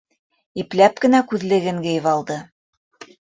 Ипләп кенә күҙлеген кейеп алды.